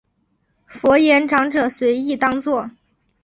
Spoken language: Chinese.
佛言长者随意当作。